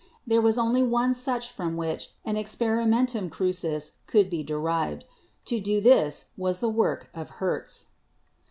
There was only one such from which an experimentum crucis could be derived. To do this was the work of Hertz."